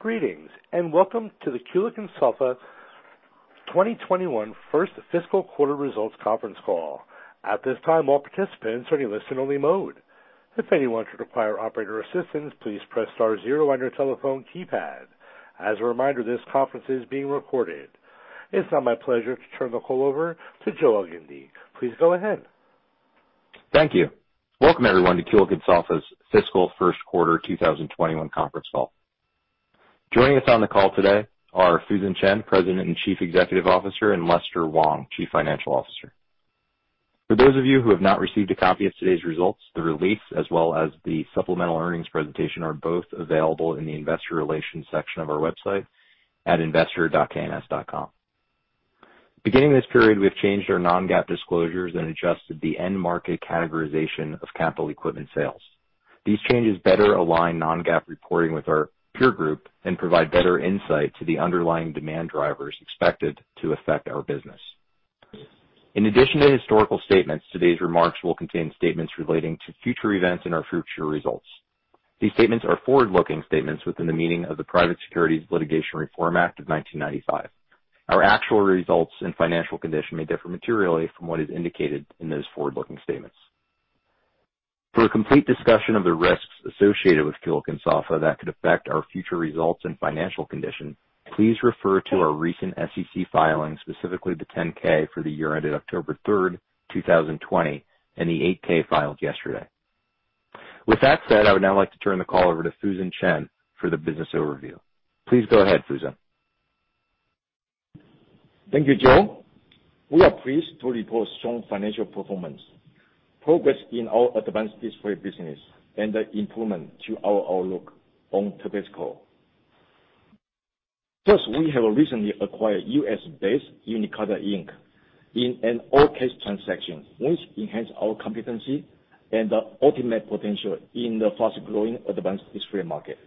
Greetings, and welcome to the Kulicke and Soffa 2021 first fiscal quarter results conference call. At this time, all participants are in listen-only mode. If anyone should require operator assistance, please press star zero on your telephone keypad. As a reminder, this conference is being recorded. It's now my pleasure to turn the call over to Joe Elgindy. Please go ahead. Thank you. Welcome, everyone, to Kulicke and Soffa's fiscal first quarter 2021 conference call. Joining us on the call today are Fusen Chen, President and Chief Executive Officer, and Lester Wong, Chief Financial Officer. For those of you who have not received a copy of today's results, the release as well as the supplemental earnings presentation are both available in the investor relations section of our website at investor.kns.com. Beginning this period, we've changed our non-GAAP disclosures and adjusted the end market categorization of capital equipment sales. These changes better align non-GAAP reporting with our peer group and provide better insight to the underlying demand drivers expected to affect our business. In addition to historical statements, today's remarks will contain statements relating to future events and our future results. These statements are forward-looking statements within the meaning of the Private Securities Litigation Reform Act of 1995. Our actual results and financial condition may differ materially from what is indicated in those forward-looking statements. For a complete discussion of the risks associated with Kulicke and Soffa that could affect our future results and financial condition, please refer to our recent SEC filings, specifically the 10-K for the year ended October 3rd, 2020, and the 8-K filed yesterday. With that said, I would now like to turn the call over to Fusen Chen for the business overview. Please go ahead, Fusen. Thank you, Joe. We are pleased to report strong financial performance, progress in our advanced display business, and the improvement to our outlook on today's call. First, we have recently acquired U.S.-based Uniqarta Inc. in an all-cash transaction, which enhanced our competency and the ultimate potential in the fast-growing advanced display market.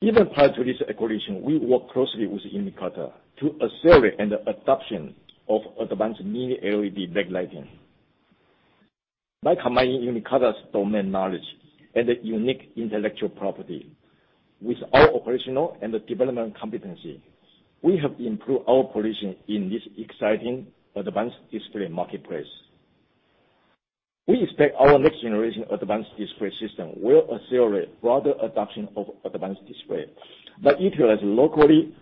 Even prior to this acquisition, we worked closely with Uniqarta to accelerate the adoption of advanced Mini-LED backlighting. By combining Uniqarta's domain knowledge and the unique intellectual property with our operational and development competency, we have improved our position in this exciting advanced display marketplace. We expect our next generation advanced display system will accelerate broader adoption of advanced display that utilize locally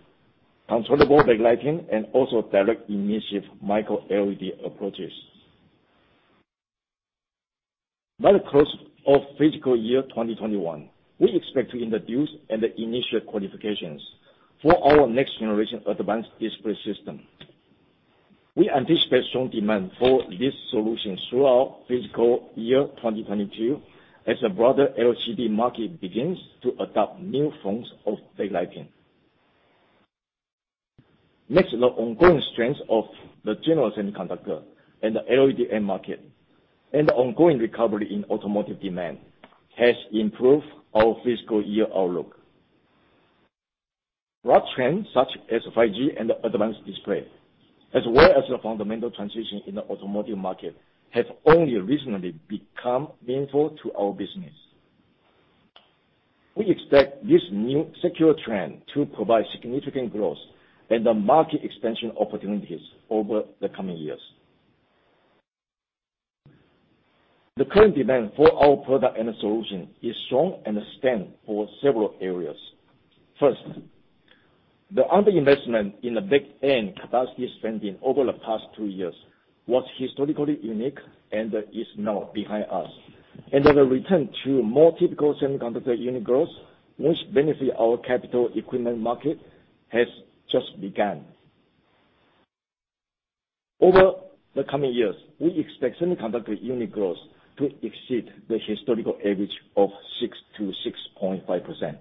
controllable backlighting and also direct initiative Micro-LED approaches. By the close of fiscal year 2021, we expect to introduce and initiate qualifications for our next generation advanced display system. We anticipate strong demand for this solution throughout fiscal year 2022 as the broader LCD market begins to adopt new forms of backlighting. Next, the ongoing strength of the general semiconductor and the LED end market and the ongoing recovery in automotive demand has improved our fiscal year outlook. Growth trends such as 5G and advanced display, as well as the fundamental transition in the automotive market, have only recently become meaningful to our business. We expect this new secure trend to provide significant growth and the market expansion opportunities over the coming years. The current demand for our product and solution is strong and extend for several areas. First, the under-investment in the back-end capacity spending over the past two years was historically unique and is now behind us. The return to more typical semiconductor unit growth, which benefit our capital equipment market, has just begun. Over the coming years, we expect semiconductor unit growth to exceed the historical average of 6% to 6.5%.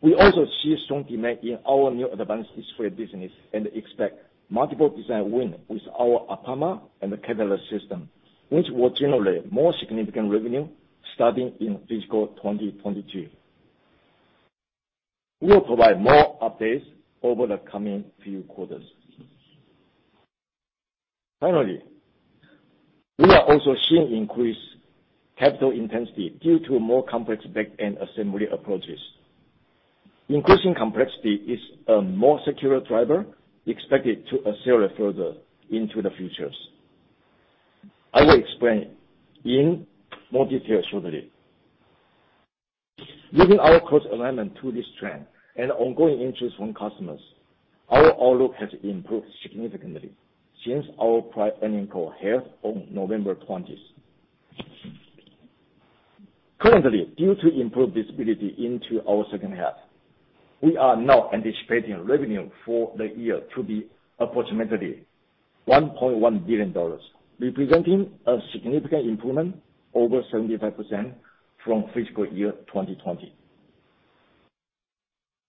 We also see strong demand in our new advanced display business and expect multiple design win with our APAMA and the Katalyst system, which will generate more significant revenue starting in fiscal 2022. We will provide more updates over the coming few quarters. We are also seeing increased capital intensity due to more complex back-end assembly approaches. Increasing complexity is a more secure driver expected to accelerate further into the futures. I will explain in more detail shortly. Given our close alignment to this trend and ongoing interest from customers, our outlook has improved significantly since our prior earnings call held on November 20th. Currently, due to improved visibility into our second half, we are now anticipating revenue for the year to be approximately $1.1 billion, representing a significant improvement over 75% from fiscal year 2020.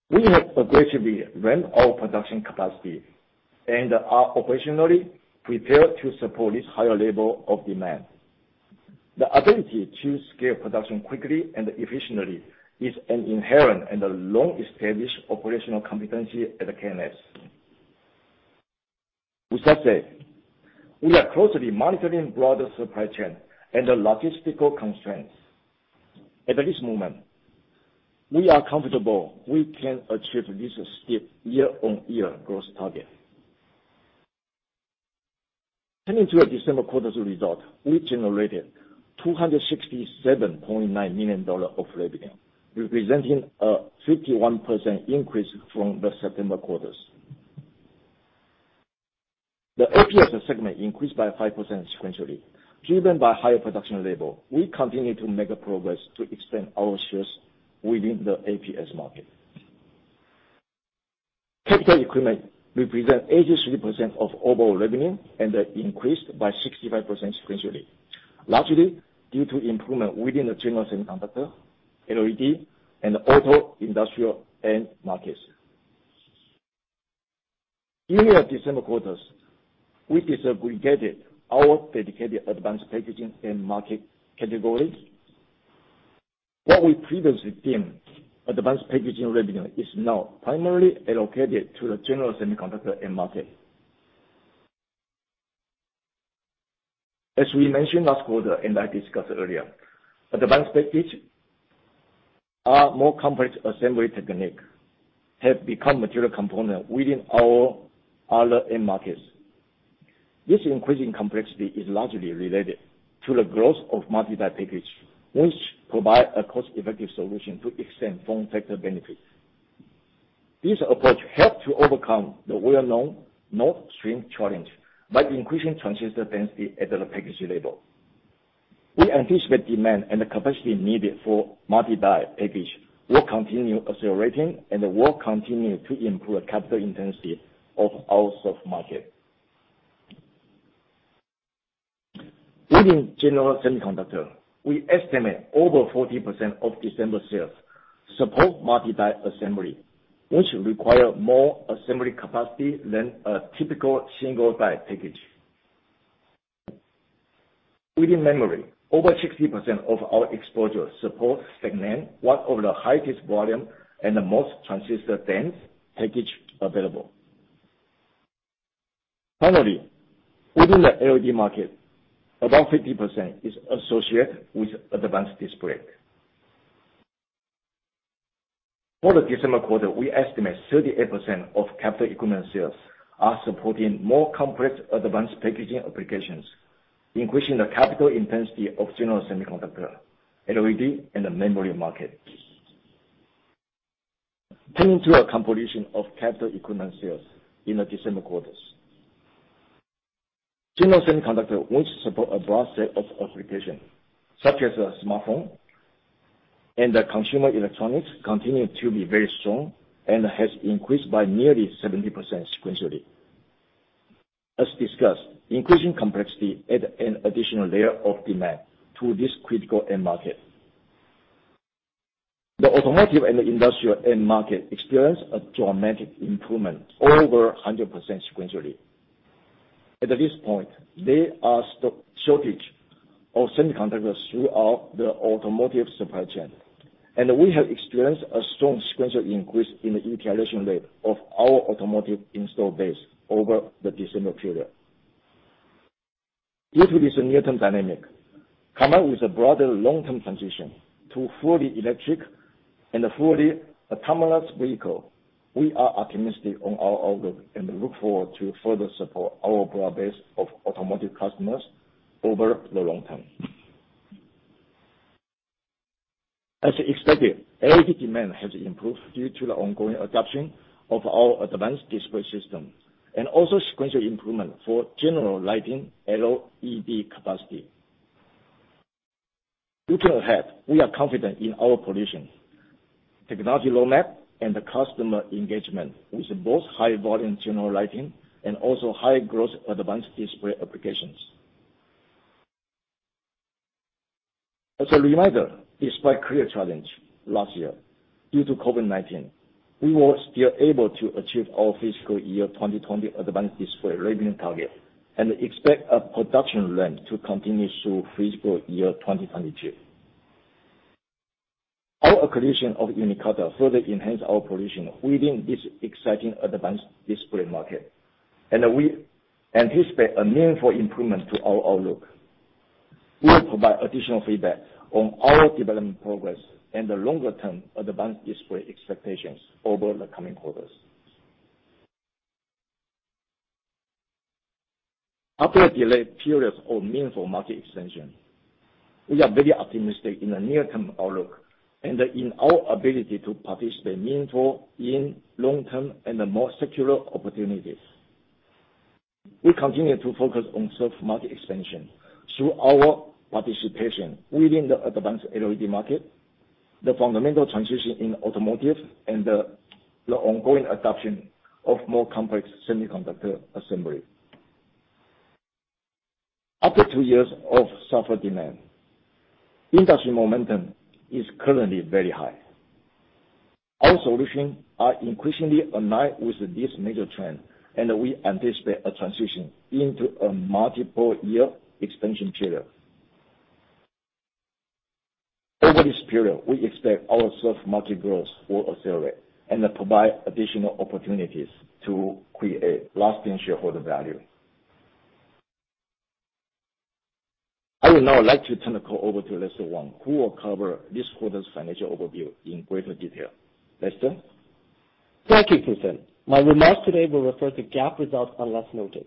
We have aggressively ramped our production capacity and are operationally prepared to support this higher level of demand. The ability to scale production quickly and efficiently is an inherent and a long-established operational competency at KNS. With that said, we are closely monitoring broader supply chain and the logistical constraints. At this moment, we are comfortable we can achieve this steep year on year growth target. Turning to our December quarter's result, we generated $267.9 million of revenue, representing a 51% increase from the September quarters. The APS segment increased by 5% sequentially, driven by higher production level. We continue to make progress to extend our shares within the APS market. Capital equipment represent 83% of overall revenue and increased by 65% sequentially, largely due to improvement within the general semiconductor, LED, and auto industrial end markets. In the December quarters, we disaggregated our dedicated advanced packaging end market categories. What we previously deemed advanced packaging revenue is now primarily allocated to the general semiconductor end market. As we mentioned last quarter, and I discussed earlier, advanced packages are more complex assembly technique, have become material component within our other end markets. This increasing complexity is largely related to the growth of multi-die package, which provide a cost-effective solution to extend form factor benefits. This approach help to overcome the well-known node shrink challenge by increasing transistor density at the package level. We anticipate demand and the capacity needed for multi-die package will continue accelerating and will continue to improve capital intensity of our served market. Within general semiconductor, we estimate over 40% of December sales support multi-die assembly, which require more assembly capacity than a typical single die package. Within memory, over 60% of our exposure supports HBM, one of the highest volume and the most transistor dense package available. Finally, within the LED market, about 50% is associated with advanced display. For the December quarter, we estimate 38% of capital equipment sales are supporting more complex advanced packaging applications, increasing the capital intensity of general semiconductor, LED, and the memory market. Turning to a composition of capital equipment sales in the December quarters. General semiconductor, which support a broad set of applications such as a smartphone and the consumer electronics, continue to be very strong and has increased by nearly 70% sequentially. As discussed, increasing complexity add an additional layer of demand to this critical end market. The automotive and industrial end market experienced a dramatic improvement over 100% sequentially. At this point, there are shortage of semiconductors throughout the automotive supply chain, and we have experienced a strong sequential increase in the utilization rate of our automotive install base over the December period. Due to this near-term dynamic, combined with a broader long-term transition to fully electric and fully autonomous vehicle, we are optimistic on our outlook and look forward to further support our broad base of automotive customers over the long term. As expected, LED demand has improved due to the ongoing adoption of our advanced display system and also sequential improvement for general lighting LED capacity. Looking ahead, we are confident in our position, technology roadmap, and the customer engagement with both high volume general lighting and also high growth advanced display applications. As a reminder, despite clear challenge last year due to COVID-19, we were still able to achieve our fiscal year 2020 advanced display revenue target and expect a production ramp to continue through fiscal year 2022. Our acquisition of Uniqarta further enhance our position within this exciting advanced display market, and we anticipate a meaningful improvement to our outlook. We will provide additional feedback on our development progress and the longer-term advanced display expectations over the coming quarters. After a delayed period of meaningful market expansion, we are very optimistic in the near-term outlook and in our ability to participate meaningful in long-term and the more secular opportunities. We continue to focus on served market expansion through our participation within the advanced LED market, the fundamental transition in automotive, and the ongoing adoption of more complex semiconductor assembly. After two years of suffered demand, industry momentum is currently very high. Our solutions are increasingly aligned with this major trend, and we anticipate a transition into a multiple year expansion period. Over this period, we expect our self-market growth will accelerate and provide additional opportunities to create lasting shareholder value. I would now like to turn the call over to Lester Wong, who will cover this quarter's financial overview in greater detail. Lester? Thank you, Fusen. My remarks today will refer to GAAP results unless noted.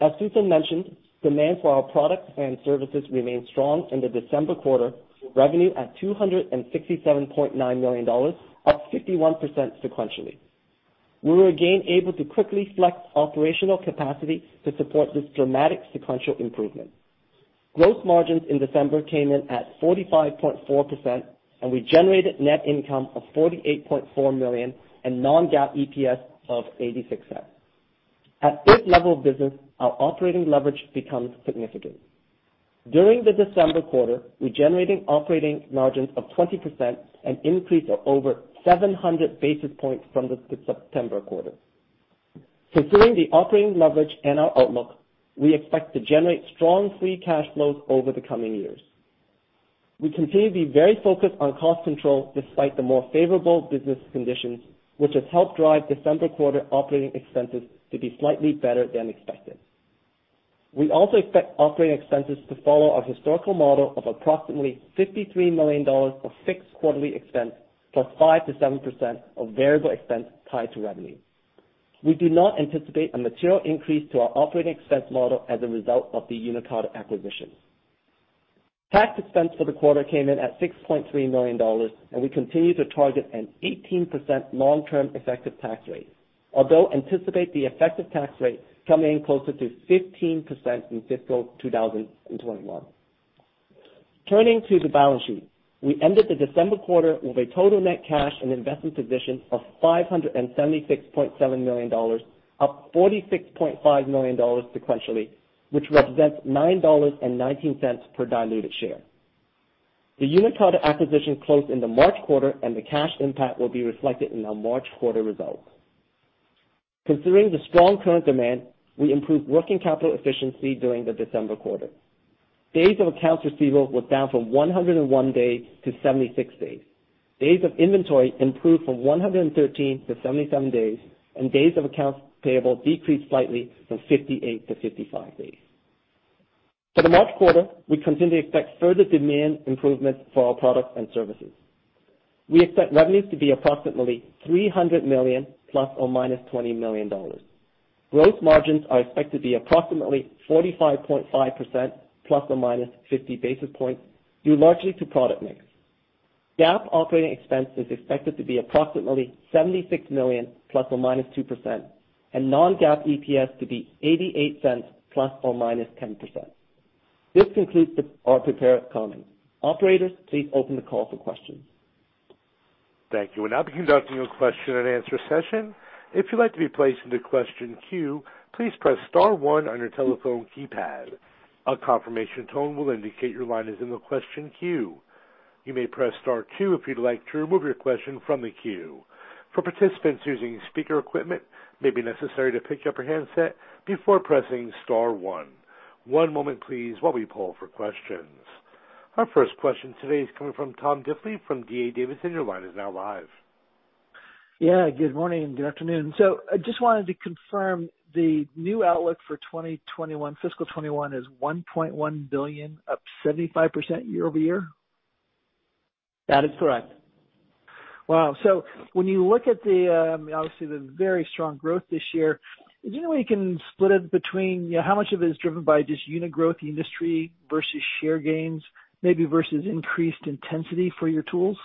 As Fusen mentioned, demand for our products and services remained strong in the December quarter, with revenue at $267.9 million, up 51% sequentially. We were again able to quickly flex operational capacity to support this dramatic sequential improvement. Gross margins in December came in at 45.4%, and we generated net income of $48.4 million and non-GAAP EPS of $0.86. At this level of business, our operating leverage becomes significant. During the December quarter, we generated operating margins of 20%, an increase of over 700 basis points from the September quarter. Considering the operating leverage and our outlook, we expect to generate strong free cash flows over the coming years. We continue to be very focused on cost control despite the more favorable business conditions, which has helped drive December quarter operating expenses to be slightly better than expected. We also expect operating expenses to follow our historical model of approximately $53 million of fixed quarterly expense,+5%-+7% of variable expense tied to revenue. We do not anticipate a material increase to our operating expense model as a result of the Uniqarta acquisition. Tax expense for the quarter came in at $6.3 million, and we continue to target an 18% long-term effective tax rate. Although anticipate the effective tax rate coming in closer to 15% in fiscal 2021. Turning to the balance sheet, we ended the December quarter with a total net cash and investment position of $576.7 million, up $46.5 million sequentially, which represents $9.19 per diluted share. The Uniqarta acquisition closed in the March quarter, and the cash impact will be reflected in our March quarter results. Considering the strong current demand, we improved working capital efficiency during the December quarter. Days of accounts receivable were down from 101 days to 76 days. Days of inventory improved from 113 to 77 days, and days of accounts payable decreased slightly from 58 to 55 days. For the March quarter, we continue to expect further demand improvements for our products and services. We expect revenues to be approximately $300 million ±$20 million. Gross margins are expected to be approximately 45.5% ±50 basis points, due largely to product mix. GAAP operating expense is expected to be approximately $76 million ±2%, and non-GAAP EPS to be $0.88 ±10%. This concludes our prepared comments. Operator, please open the call for questions. Thank you. We'll now be conducting a question and answer session. If you would like to be place a question in the queue, please press star one on your telephone keypad. A confirmation tone will indicate your line is in the question queue. You may press star two if you would like to remove your question from the queue. For participants using speaker equipments, it may be necessary to pick up your handset before pressing star one. One moment please while we poll for questions. Our first question today is coming from Tom Diffely from D.A. Davidson. Your line is now live. Yeah, good morning. Good afternoon. I just wanted to confirm the new outlook for fiscal 2021 is $1.1 billion, up 75% year-over-year? That is correct. Wow. When you look at the obviously very strong growth this year, is there any way you can split it between how much of it is driven by just unit growth industry versus share gains, maybe versus increased intensity for your tools?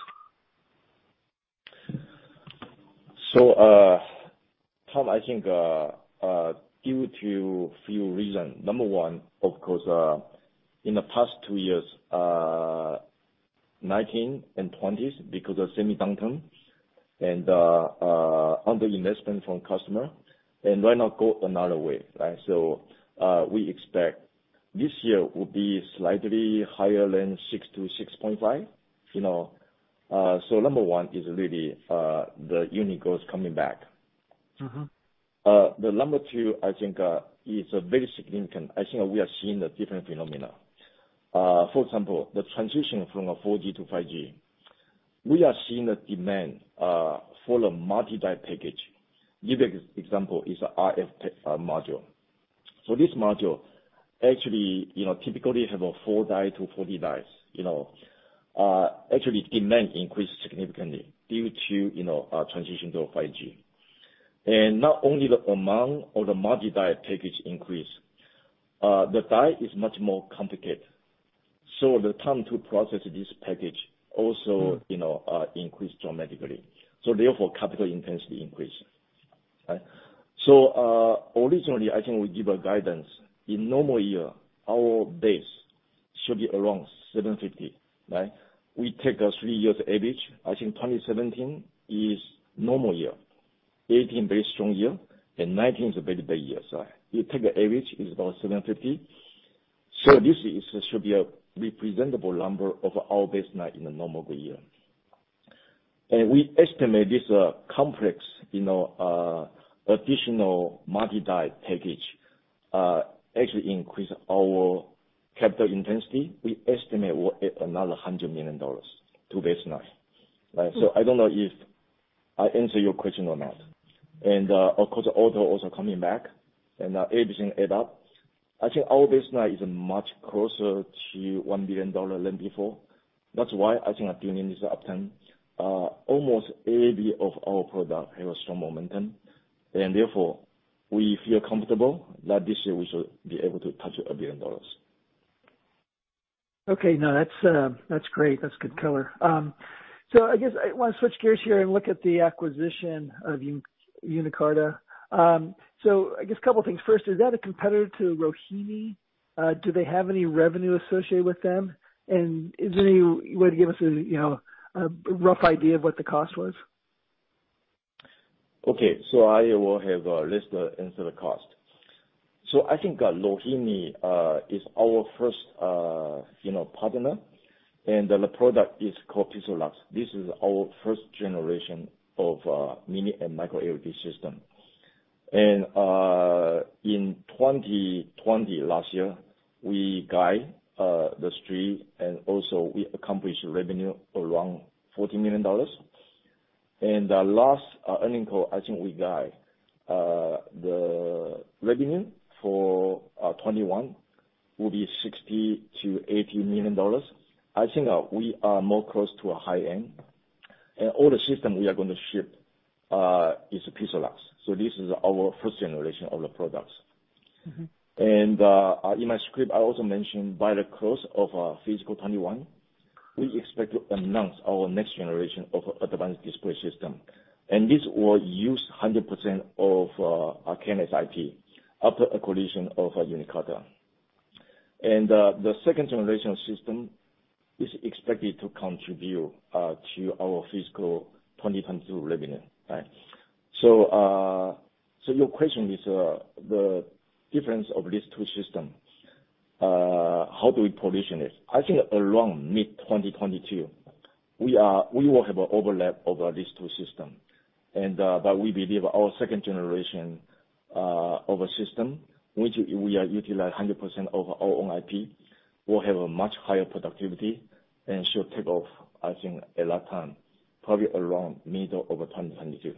Tom, I think due to a few reasons. Number one, of course, in the past two years, 2019 and 2020, because of semi-downturn and under-investment from customer, and why not go another way, right? We expect this year will be slightly higher than 6 to 6.5. Number one is really the unit growth coming back. The number two, I think is very significant. I think we are seeing a different phenomenon. For example, the transition from a 4G to 5G. We are seeing a demand for a multi-die package. Give example is a RF module. This module actually, typically have a four die to 40 dies. Actually, demand increased significantly due to transition to a 5G. Not only the amount or the multi-die package increase, the die is much more complicated. The time to process this package also increased dramatically. Therefore, capital intensity increased. Right? Originally, I think we give a guidance. In normal year, our base should be around $750. Right? We take a three years average. I think 2017 is normal year. 2018, very strong year, 2019 is a very bad year. You take the average, it's about $750. This should be a representable number of our baseline in a normal year. We estimate this complex additional multi-die package actually increase our capital intensity. We estimate we're at another $100 million to baseline. I don't know if I answer your question or not. Of course, Auto also coming back and everything add up. I think our baseline is much closer to $1 billion than before. That's why I think at Uniqarta this uptime, almost 80 of our product have a strong momentum, and therefore, we feel comfortable that this year we should be able to touch $1 billion. Okay. No, that's great. That's good color. I guess I want to switch gears here and look at the acquisition of Uniqarta. I guess a couple things. First, is that a competitor to Rohinni? Do they have any revenue associated with them? Is there any way to give us a rough idea of what the cost was? Okay. I will have Lester answer the cost. I think Rohinni is our first partner, and the product is called PIXALUX. This is our first generation of Mini-LED and Micro-LED system. In 2020, last year, we guide the street, and also we accomplished revenue around $40 million. Last earnings call, I think we guide the revenue for 2021 will be $60 million-$80 million. I think we are more close to a high end. All the system we are going to ship is PIXALUX. This is our first generation of the products. In my script, I also mentioned by the close of our fiscal 2021, we expect to announce our next generation of advanced display system. This will use 100% of our KNS IP after acquisition of Uniqarta. The second generation system is expected to contribute to our fiscal 2022 revenue. Your question is the difference of these two systems. How do we position it? I think around mid-2022, we will have an overlap of these two systems. We believe our second generation of a system, which we are utilize 100% of our own IP, will have a much higher productivity and should take off, I think, a long time, probably around middle of 2022.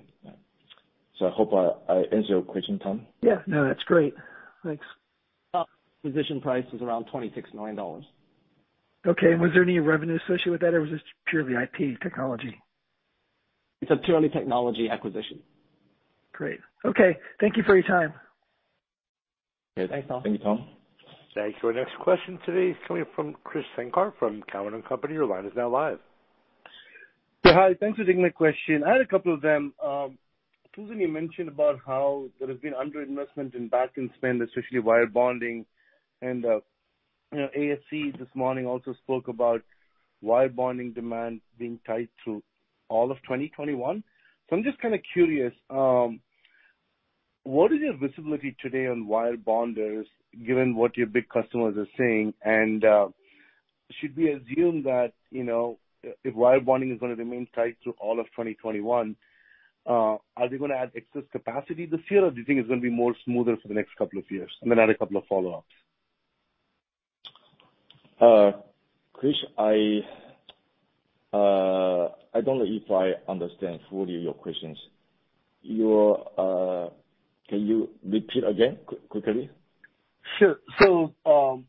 I hope I answered your question, Tom. Yeah. No, that's great. Thanks. Position price is around $26 million. Okay. Was there any revenue associated with that or was this purely IP technology? It's a purely technology acquisition. Great. Okay. Thank you for your time. Yeah. Thanks, Tom. Thank you, Tom. Thanks. Our next question today is coming from Krish Sankar from Cowen and Company. Your line is now live. Hi, thanks for taking my question. I had a couple of them. Fusen, you mentioned about how there has been underinvestment in backend spend, especially wire bonding. ASE this morning also spoke about wire bonding demand being tight through all of 2021. I'm just kind of curious, what is your visibility today on wire bonders, given what your big customers are saying? Should we assume that if wire bonding is going to remain tight through all of 2021, are they going to add excess capacity this year, or do you think it's going to be more smoother for the next couple of years? I'm going to add a couple of follow-ups. Krish, I don't know if I understand fully your questions. Can you repeat again quickly? Sure.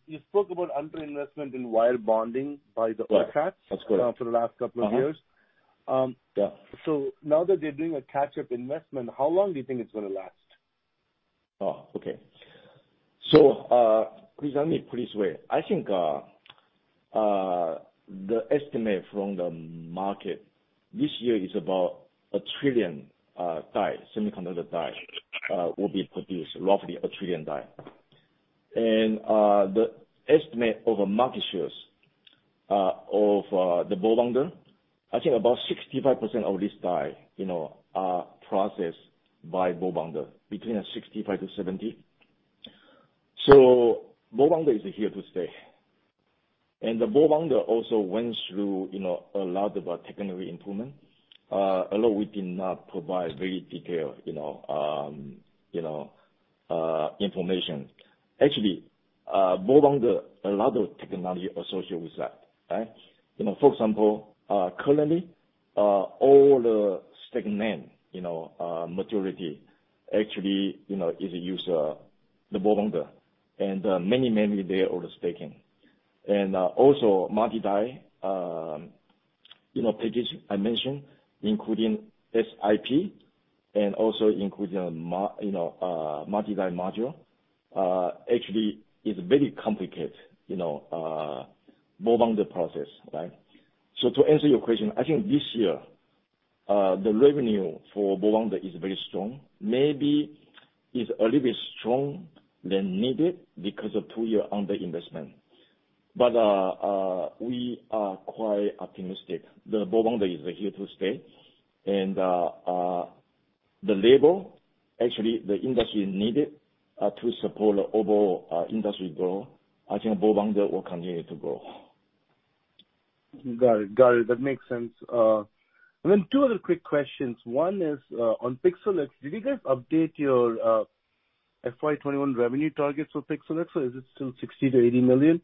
You spoke about underinvestment in wire bonding by the OSATs- That's correct. For the last couple of years. Yeah. Now, that they're doing a catch-up investment, how long do you think it's going to last? Oh, okay. Krish, let me put this way. I think the estimate from the market this year is about a trillion die, semiconductor die, will be produced, roughly a trillion die. The estimate of a market shares of the bonders, I think about 65% of this die are processed by bonder, between 65%-70%. Bonder is here to stay. The bonder also went through a lot of our technology improvement. Although we did not provide very detailed information. Actually, bonder, a lot of technology associated with that. For example, currently, all the segment maturity actually is a user, the bonder, and many, many there orders taken. Also multi-die package, I mentioned, including this IP and also including a multi-die module, actually is very complicated bonder process, right? To answer your question, I think this year, the revenue for bonder is very strong. Maybe it's a little bit strong than needed because of two-year underinvestment. We are quite optimistic. The bonder is here to stay. The label, actually, the industry need it, to support the overall industry growth. I think bonder will continue to grow. Got it. That makes sense. Two other quick questions. One is on PIXALUX. Did you guys update your FY 2021 revenue targets for PIXALUX, or is it still $60 million to $80 million?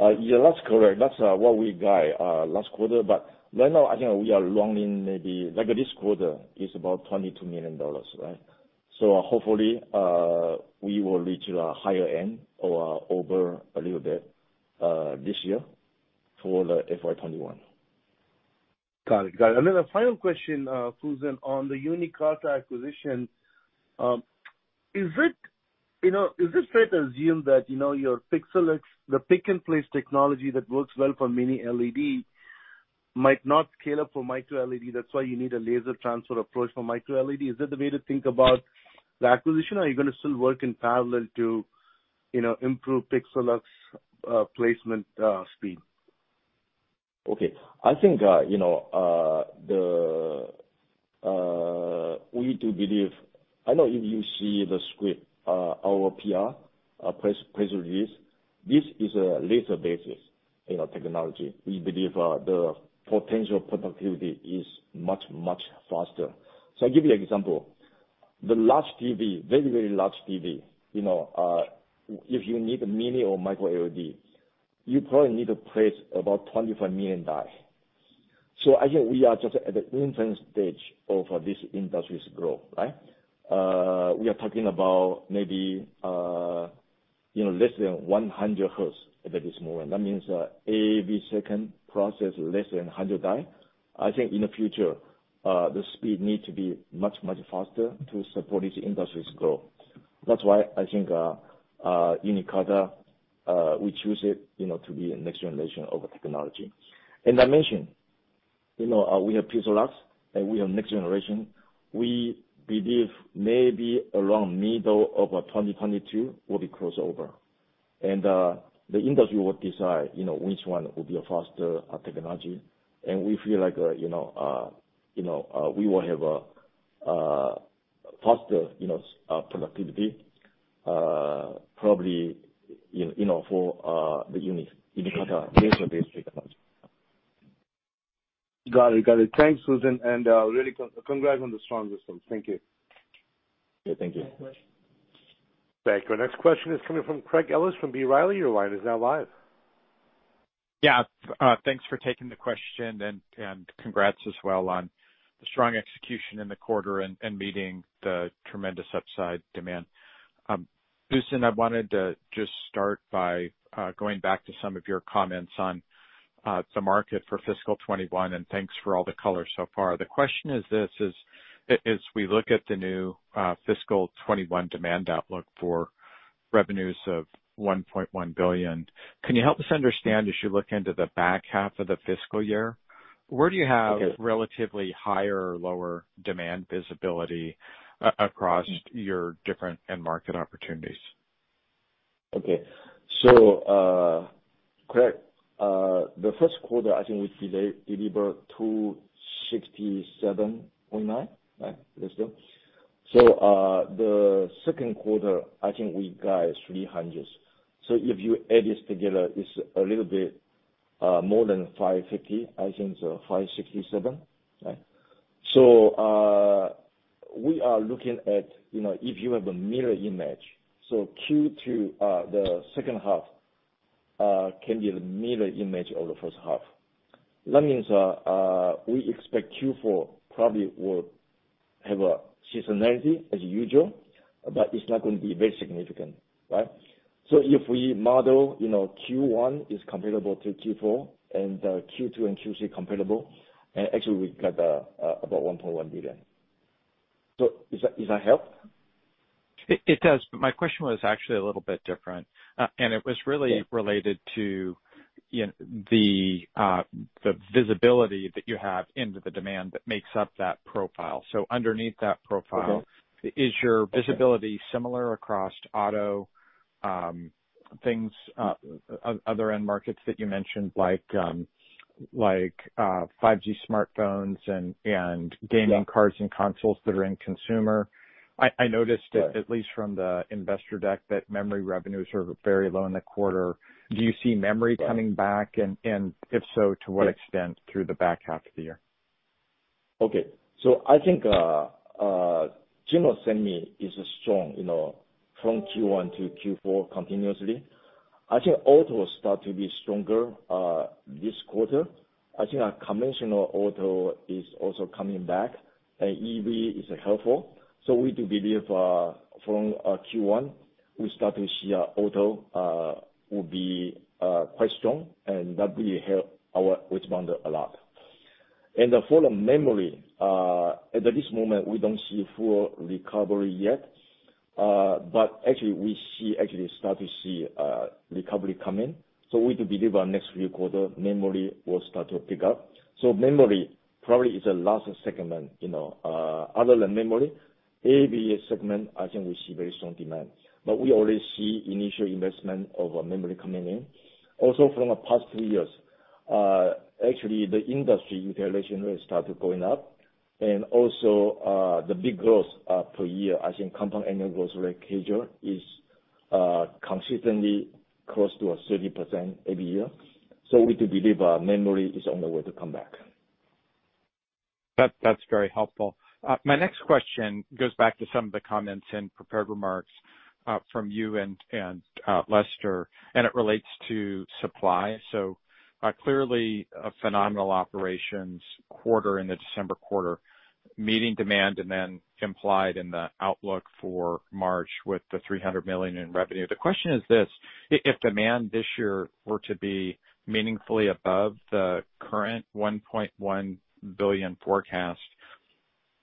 Yeah, that's correct. That's what we guide last quarter. Right now, I think we are longing, maybe Like this quarter is about $22 million, right? Hopefully, we will reach a higher end or over a little bit, this year for the FY 2021. Then the final question, Fusen, on the Uniqarta acquisition. Is it fair to assume that your PIXALUX, the pick-and-place technology that works well for Mini-LED, might not scale up for Micro-LED, that's why you need a laser transfer approach for Micro-LED? Is that the way to think about the acquisition, or are you going to still work in parallel to improve PIXALUX placement speed? Okay. I think, we do believe, I don't know if you see the script, our PR, press release. This is a laser-based technology. We believe the potential productivity is much, much faster. I'll give you example. The large TV, very, very large TV, if you need Mini-LED or Micro-LED, you probably need to place about 25 million die. I think we are just at the infant stage of this industry's growth, right? We are talking about maybe less than 100 Hz at this moment. That means every second process less than 100 die. I think in the future, the speed need to be much, much faster to support this industry's growth. That's why I think, Uniqarta, we choose it to be a next generation of technology. And I mentioned, we have PIXALUX, and we have next generation. We believe maybe around middle of 2022 will be crossover. The industry will decide, which one will be a faster technology. We feel like, we will have a faster productivity, probably for the Uniqarta laser-based technology. Got it. Thanks, Fusen, and really congrats on the strong results. Thank you. Yeah. Thank you. Thank you. Our next question is coming from Craig Ellis from B. Riley. Your line is now live. Yeah. Thanks for taking the question. Congrats as well on the strong execution in the quarter and meeting the tremendous upside demand. Fusen, I wanted to just start by going back to some of your comments on the market for fiscal 2021, and thanks for all the color so far. The question is this, as we look at the new fiscal 2021 demand outlook for revenues of $1.1 billion, can you help us understand, as you look into the back half of the fiscal year, where do you have- Okay. Relatively higher or lower demand visibility across your different end market opportunities? Okay. Craig, the first quarter, I think we deliver $267.9, right? That's it. The second quarter, I think we guide $300. If you add this together, it's a little bit more than $550, I think it's $567, right? We are looking at if you have a mirror image, Q2, the second half, can be the mirror image of the first half. That means, we expect Q4 probably will have a seasonality as usual, but it's not going to be very significant, right? If we model Q1 is comparable to Q4 and Q2 and Q3 comparable, and actually we've got about $1.1 billion. Does that help? It does. My question was actually a little bit different. Okay. It was really related to the visibility that you have into the demand that makes up that profile. Underneath that profile. Okay. Is your visibility similar across auto, things, other end markets that you mentioned like 5G smartphones and gaming cards and consoles that are in consumer? I noticed that at least from the investor deck, that memory revenues are very low in the quarter. Do you see memory coming back? If so, to what extent through the back half of the year? Okay. I think, general semi is strong from Q1 to Q4 continuously. I think auto start to be stronger this quarter. I think our conventional auto is also coming back, and EV is helpful. We do believe, from Q1, we start to see auto will be quite strong, and that will help our wedge bonder a lot. For the memory, at this moment, we don't see full recovery yet. Actually, we start to see recovery coming. We do believe our next few quarter, memory will start to pick up. Memory probably is the last segment. Other than memory, every segment, I think we see very strong demand. We already see initial investment of memory coming in. From the past three years, actually, the industry utilization rate started going up. The big growth per year, I think compound annual growth rate CAGR is consistently close to a 30% every year. We do believe memory is on the way to come back. That's very helpful. My next question goes back to some of the comments and prepared remarks from you and Lester, and it relates to supply. Clearly, a phenomenal operations quarter in the December quarter, meeting demand and then implied in the outlook for March with the $300 million in revenue. The question is this, if demand this year were to be meaningfully above the current $1.1 billion forecast,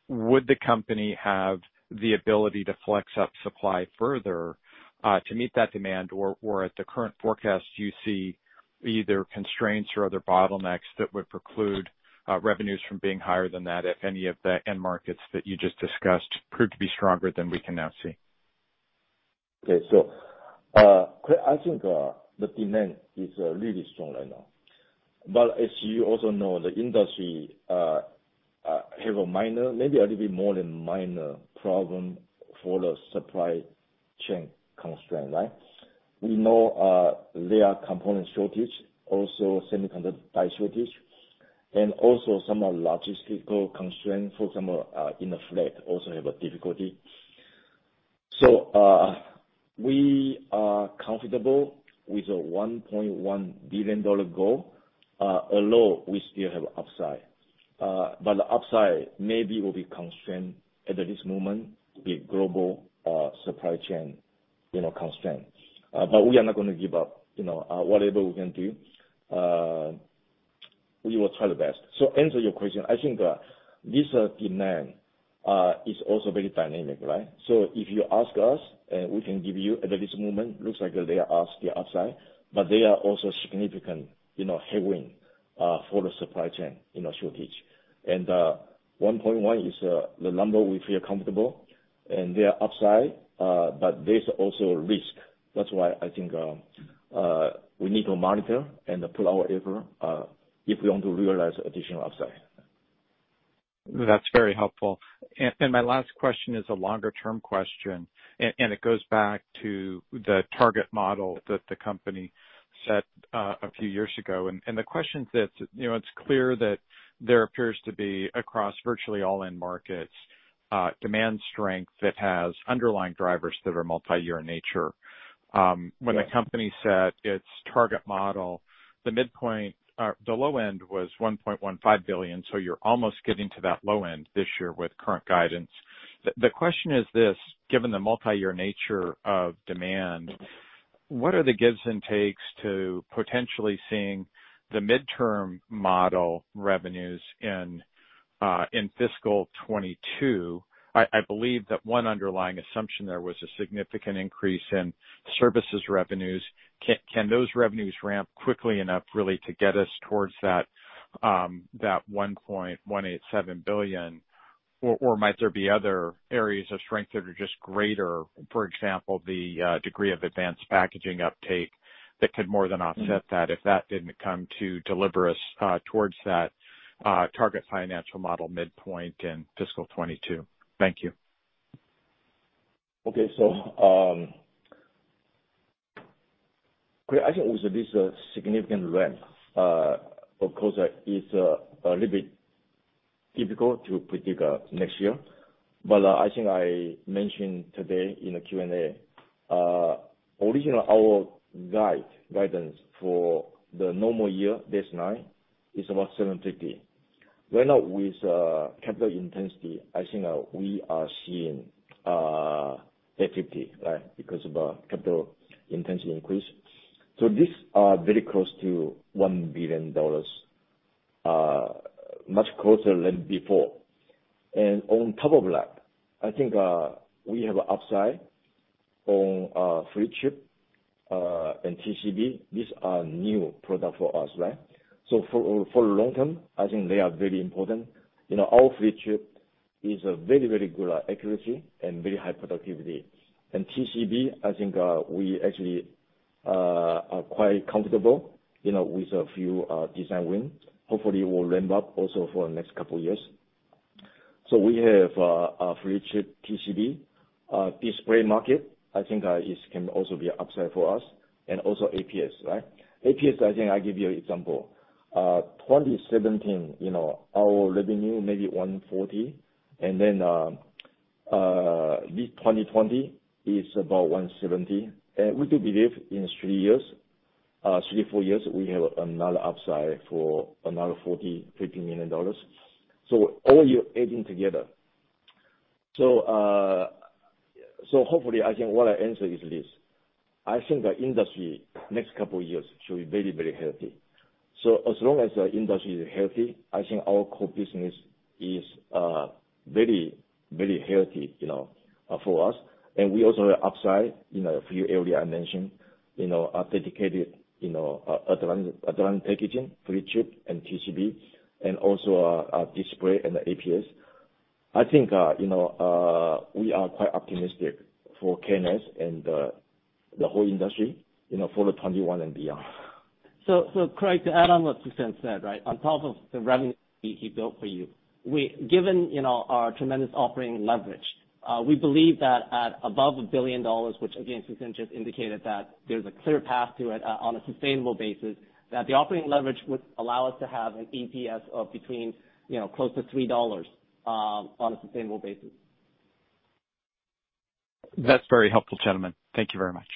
would the company have the ability to flex up supply further to meet that demand? At the current forecast, do you see either constraints or other bottlenecks that would preclude revenues from being higher than that if any of the end markets that you just discussed proved to be stronger than we can now see? Okay. I think the demand is really strong right now. As you also know, the industry have a minor, maybe a little bit more than minor problem for the supply chain constraint, right? We know there are component shortage, also semiconductor die shortage, and also some logistical constraints. For example, in the freight, also have a difficulty. We are comfortable with a $1.1 billion goal, although we still have upside. The upside maybe will be constrained at this moment with global supply chain constraint. We are not going to give up. Whatever we can do, we will try the best. Answer your question, I think this demand is also very dynamic, right. If you ask us, we can give you at this moment, looks like there are still upside, but there are also significant headwind for the supply chain shortage. 1.1 is the number we feel comfortable, and there is upside, but there is also risk. That is why I think we need to monitor and pull out effort, if we want to realize additional upside. That's very helpful. My last question is a longer-term question, and it goes back to the target model that the company set a few years ago. The question is this, it's clear that there appears to be, across virtually all end markets, demand strength that has underlying drivers that are multi-year in nature. Yes. When the company set its target model, the low end was $1.15 billion, so you're almost getting to that low end this year with current guidance. The question is this, given the multi-year nature of demand, what are the gives and takes to potentially seeing the midterm model revenues in fiscal 2022? I believe that one underlying assumption there was a significant increase in services revenues. Can those revenues ramp quickly enough really to get us towards that $1.187 billion? Might there be other areas of strength that are just greater, for example, the degree of advanced packaging uptake that could more than offset that, if that didn't come to deliver us towards that target financial model midpoint in fiscal 2022? Thank you. Okay. Craig, I think also this significant ramp. Of course, it's a little bit difficult to predict next year. I think I mentioned today in the Q&A, original, our guidance for the normal year, this [nine], is about $750. Right now with capital intensity, I think we are seeing $850, right? Because of our capital intensity increase. This very close to $1 billion, much closer than before. On top of that, I think, we have upside on 3D chip and TCB. These are new product for us, right? For long-term, I think they are very important. Our 3D chip is a very, very good accuracy and very high productivity. TCB, I think, we actually are quite comfortable with a few design wins. Hopefully will ramp up also for the next couple years. We have 3D chip TCB. Display market, I think this can also be an upside for us. Also APS, right? APS, I think I give you an example. 2017, our revenue may be $140 million, and then this 2020 is about $170 million. We do believe in three, four years, we have another upside for another $40 million, $50 million. All year adding together. Hopefully, I think what I answer is this. I think the industry, next couple of years, should be very, very healthy. As long as the industry is healthy, I think our core business is very, very healthy for us. We also have upside in a few area I mentioned. Advanced packaging, 3D chip, and TCB, and also our display and the APS. I think we are quite optimistic for KNS and the whole industry for 2021 and beyond. Craig, to add on what Fusen said, on top of the revenue he built for you, given our tremendous operating leverage, we believe that at above $1 billion, which again, Fusen just indicated that there's a clear path to it on a sustainable basis, that the operating leverage would allow us to have an EPS of between close to $3 on a sustainable basis. That's very helpful, gentlemen. Thank you very much.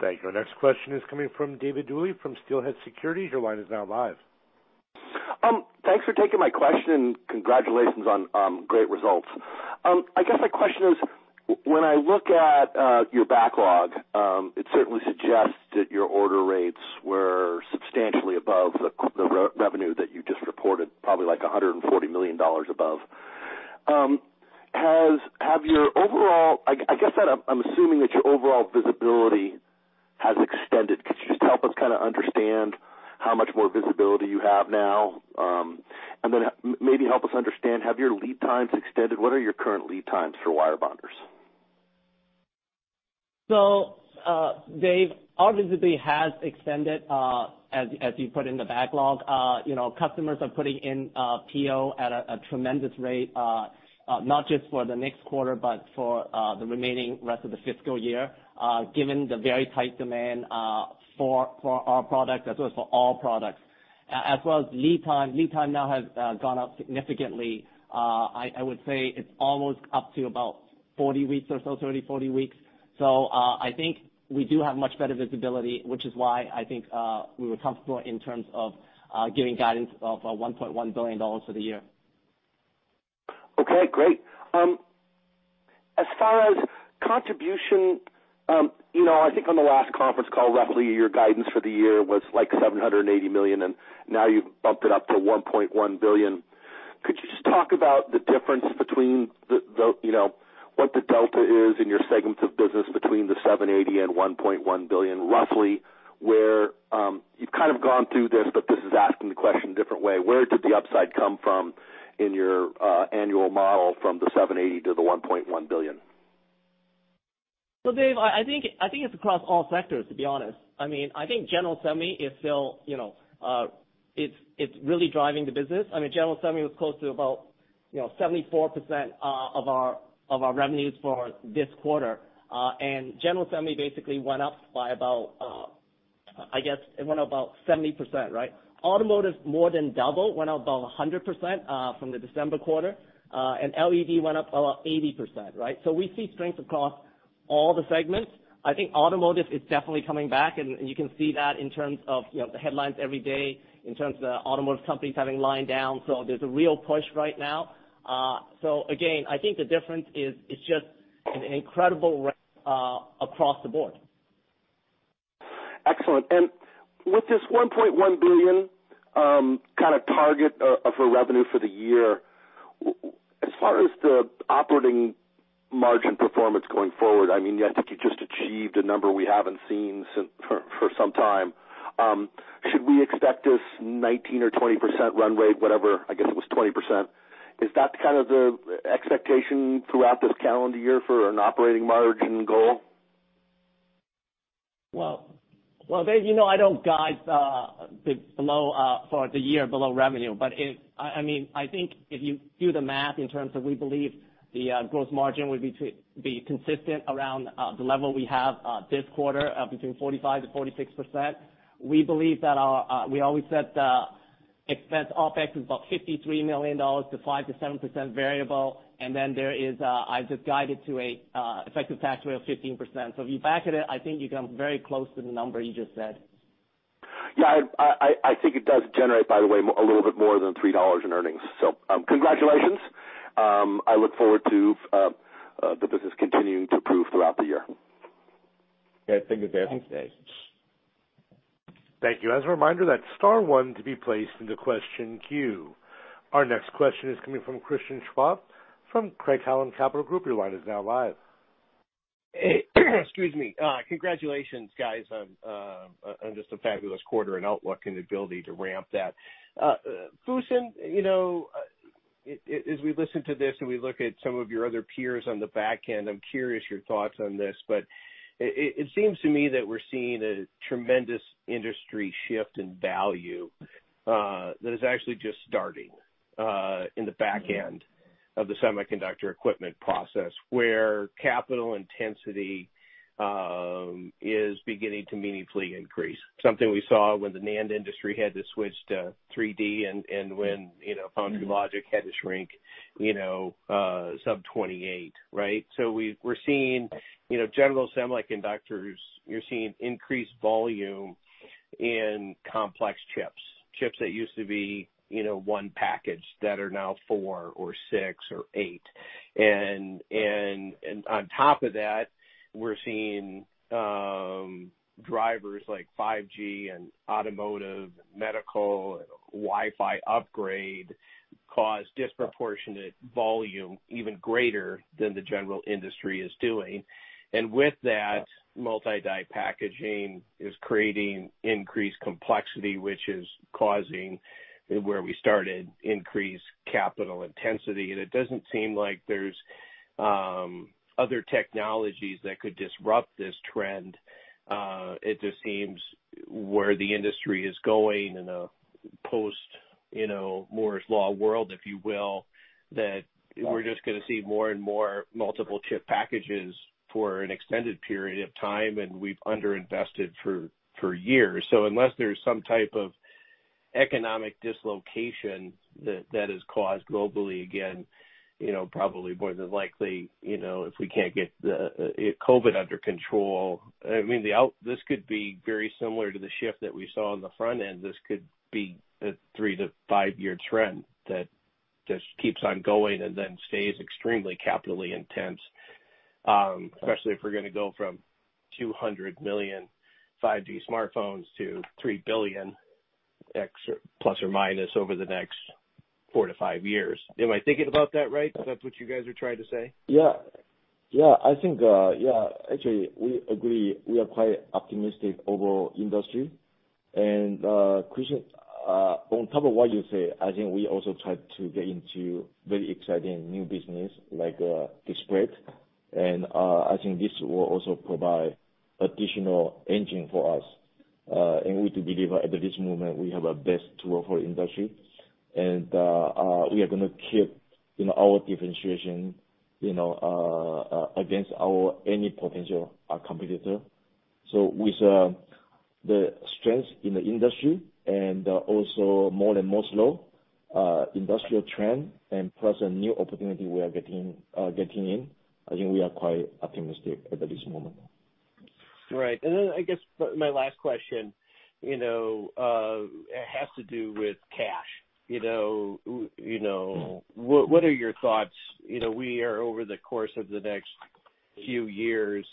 Thank you. Our next question is coming from David Duley from Steelhead Securities. Your line is now live. Thanks for taking my question. Congratulations on great results. I guess my question is, when I look at your backlog, it certainly suggests that your order rates were substantially above the revenue that you just reported, probably like $140 million above. I guess I'm assuming that your overall visibility has extended. Could you just help us kind of understand how much more visibility you have now? Then maybe help us understand, have your lead times extended? What are your current lead times for wire bonders? Dave, our visibility has extended, as you put in the backlog. Customers are putting in PO at a tremendous rate, not just for the next quarter, but for the remaining rest of the fiscal year, given the very tight demand for our product as well as for all products, as well as lead time. Lead time now has gone up significantly. I would say it's almost up to about 40 weeks or so, 30 to 40 weeks. I think we do have much better visibility, which is why I think we were comfortable in terms of giving guidance of $1.1 billion for the year. Okay, great. As far as contribution, I think on the last conference call, roughly your guidance for the year was like $780 million. Now, you've bumped it up to $1.1 billion. Could you just talk about the difference between what the delta is in your segments of business between the $780 million and $1.1 billion. You've kind of gone through this, but this is asking the question a different way. Where did the upside come from in your annual model from the $780 million to the $1.1 billion? David, I think it's across all sectors, to be honest. I think general semi is still really driving the business. General semi was close to about 74% of our revenues for this quarter. General semi basically went up by about 70%, right? Automotive more than doubled, went up about 100% from the December quarter. LED went up about 80%, right? We see strength across all the segments. I think automotive is definitely coming back, and you can see that in terms of the headlines every day, in terms of the automotive companies having line down. There's a real push right now. Again, I think the difference is it's just an incredible ramp across the board. Excellent. With this $1.1 billion kind of target of a revenue for the year, as far as the operating margin performance going forward, I think you just achieved a number we haven't seen for some time. Should we expect this 19% or 20% runway, whatever, I guess it was 20%, is that kind of the expectation throughout this calendar year for an operating margin goal? Well, David, I don't guide for the year below revenue. I think if you do the math in terms of we believe the gross margin would be consistent around the level we have this quarter of between 45%-46%. We believe that we always set the expense OpEx is about $53 million to 5%-7% variable. There is, I've just guided to a effective tax rate of 15%. If you back at it, I think you come very close to the number you just said. Yeah, I think it does generate, by the way, a little bit more than $3 in earnings. Congratulations. I look forward to the business continuing to improve throughout the year. Yeah. Thank you, David. Thanks, David. Thank you. As a reminder, that's star one to be placed into question queue. Our next question is coming from Christian Schwab from Craig-Hallum Capital Group. Your line is now live. Excuse me. Congratulations, guys, on just a fabulous quarter and outlook and ability to ramp that. Fusen, as we listen to this and we look at some of your other peers on the back end, I'm curious your thoughts on this, but it seems to me that we're seeing a tremendous industry shift in value that is actually just starting in the back end of the semiconductor equipment process, where capital intensity is beginning to meaningfully increase. Something we saw when the NAND industry had to switch to 3D and when Foundry Logic had to shrink sub 28, right? We're seeing general semiconductors. You're seeing increased volume in complex chips that used to be one package that are now four or six or eight. On top of that, we're seeing drivers like 5G and automotive, medical, Wi-Fi upgrade cause disproportionate volume even greater than the general industry is doing. With that, multi-die packaging is creating increased complexity, which is causing where we started increase capital intensity. It doesn't seem like there's other technologies that could disrupt this trend. It just seems where the industry is going in a post Moore's Law world, if you will, that we're just going to see more and more multiple chip packages for an extended period of time, and we've under-invested for years. Unless there's some type of economic dislocation that is caused globally again, probably more than likely if we can't get COVID under control, this could be very similar to the shift that we saw on the front end. This could be a three to five-year trend that just keeps on going and then stays extremely capitally intense, especially if we're going to go from 200 million 5G smartphones to 3 billion X plus or minus over the next four to five years. Am I thinking about that right? Is that what you guys are trying to say? Actually, we agree. We are quite optimistic overall industry. Christian, on top of what you say, I think we also tried to get into very exciting new business like display. I think this will also provide additional engine for us, and we to deliver at this moment, we have our best tool for industry. We are going to keep our differentiation against any potential competitor. With the strength in the industry and also more than Moore's Law, industrial trend and plus a new opportunity we are getting in, I think we are quite optimistic at this moment. Right. I guess my last question has to do with cash. What are your thoughts? We are over the course of the next few years,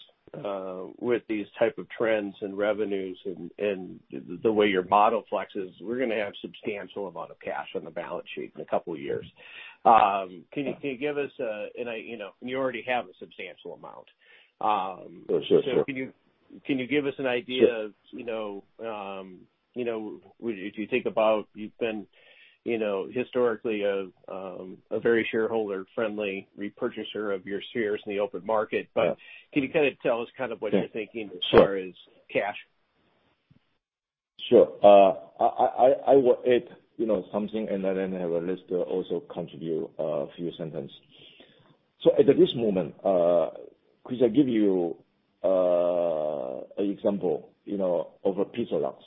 with these type of trends and revenues and the way your model flexes, we're going to have substantial amount of cash on the balance sheet in a couple of years. You already have a substantial amount. Sure. Can you give us an idea of, if you think about you've been historically a very shareholder-friendly repurchaser of your shares in the open market. Yeah. Can you kind of tell us what you're thinking as far as cash? Sure. I will add something, and then have Lester also contribute a few sentence. At this moment, because I give you an example of a PIXALUX.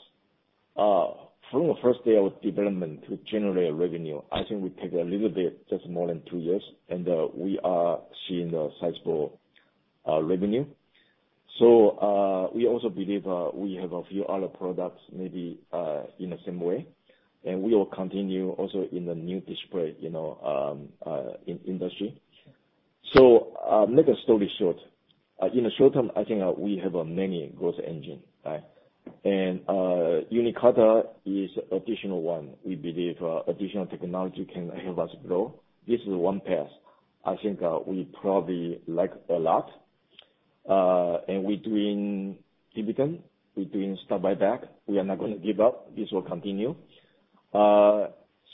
From the first day of development to generate revenue, I think we take a little bit, just more than two years, and we are seeing a sizable revenue. We also believe we have a few other products maybe in the same way, and we will continue also in the new display industry. Make the story short. In the short term, I think we have a many growth engine. Uniqarta is additional one. We believe additional technology can help us grow. This is one path. I think we probably like a lot. We're doing dividend, we're doing stock buyback. We are not going to give up. This will continue.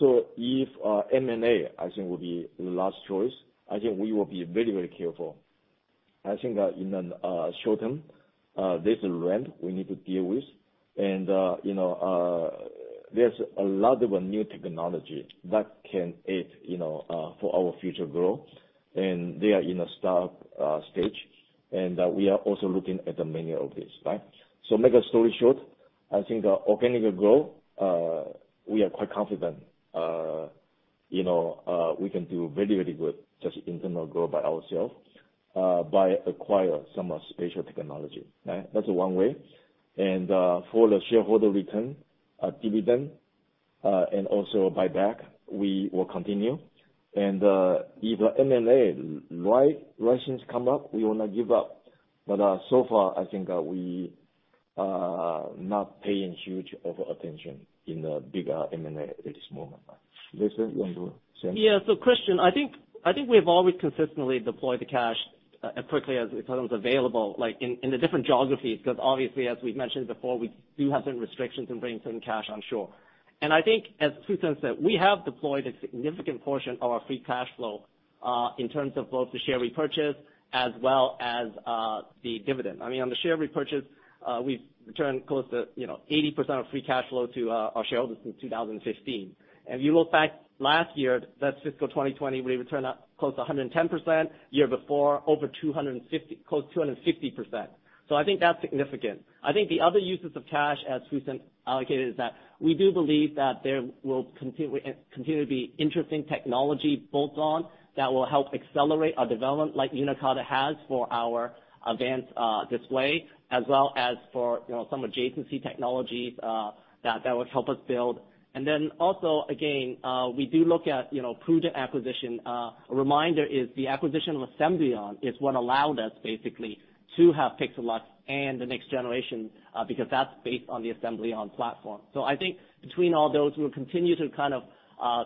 If M&A, I think, will be the last choice, I think we will be very careful. There's a trend we need to deal with. There's a lot of new technology that can aid for our future growth, and they are in a startup stage, and we are also looking at many of these, right? Make the story short, I think organic growth, we are quite confident. We can do very good just internal growth by ourselves, by acquire some spatial technology. That's one way. For the shareholder return, dividend, and also buyback, we will continue. If M&A right opportunities come up, we will not give up. So far, I think we are not paying huge over attention in the bigger M&A at this moment. Lester, you want to say? Yeah. Christian, I think we've always consistently deployed the cash as quickly as it becomes available, like, in the different geographies, because obviously, as we've mentioned before, we do have certain restrictions in bringing certain cash on shore. I think as Fusen said, we have deployed a significant portion of our free cash flow, in terms of both the share repurchase as well as the dividend. On the share repurchase, we've returned close to 80% of free cash flow to our shareholders since 2015. If you look back last year, that fiscal 2020, we returned out close to 110%, year before, close to 250%. I think that's significant. I think the other uses of cash as Fusen allocated is that we do believe that there will continue to be interesting technology bolts on that will help accelerate our development like Uniqarta has for our advanced display, as well as for some adjacency technologies that would help us build. We do look at prudent acquisition. A reminder is the acquisition of Assembléon is what allowed us basically to have PIXALUX and the next generation, because that's based on the Assembléon platform. I think between all those, we'll continue to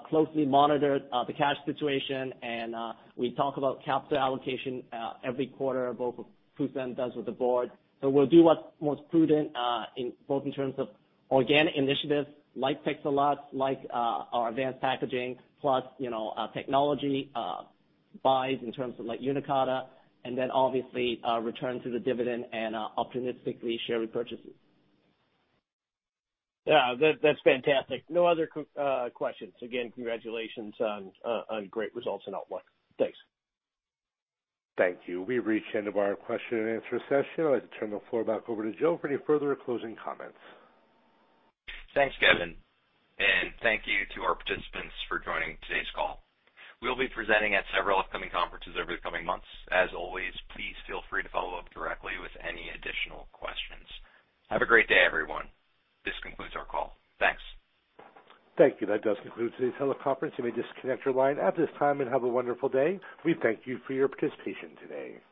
closely monitor the cash situation and, we talk about capital allocation every quarter, both Fusen does with the board. We'll do what's most prudent both in terms of organic initiatives like PIXALUX, like our advanced packaging plus, technology buys in terms of like Uniqarta, and then obviously, return to the dividend and, optimistically, share repurchases. Yeah. That's fantastic. No other questions. Again, congratulations on great results and outlook. Thanks. Thank you. We've reached the end of our question and answer session. I'd like to turn the floor back over to Joe for any further closing comments. Thanks, Kevin, and thank you to our participants for joining today's call. We'll be presenting at several upcoming conferences over the coming months. As always, please feel free to follow up directly with any additional questions. Have a great day, everyone. This concludes our call. Thanks. Thank you. That does conclude today's teleconference. You may disconnect your line at this time and have a wonderful day. We thank you for your participation today.